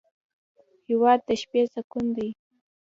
هېواد د شپې سکون دی.